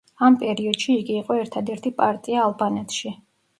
ამ პერიოდში იგი იყო ერთადერთი პარტია ალბანეთში.